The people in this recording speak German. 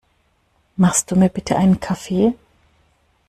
Machst du mir bitte einen Kaffee?